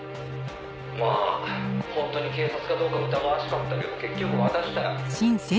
「まあ本当に警察かどうか疑わしかったけど結局渡したよ」